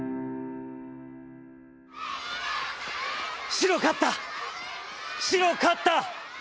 「白勝った、白勝った。